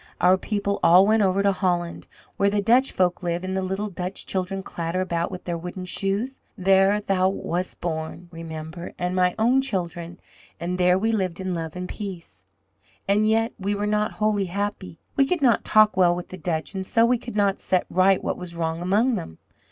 "Our people all went over to Holland, where the Dutch folk live and the little Dutch children clatter about with their wooden shoes. There thou wast born, Remember, and my own children, and there we lived in love and peace." "And yet, we were not wholly happy. We could not talk well with the Dutch, and so we could not set right what was wrong among them.